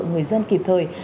người dân kịp thời